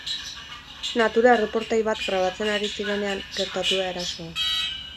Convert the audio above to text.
Natura erreportai bat grabatzen ari zirenean gertatu da erasoa.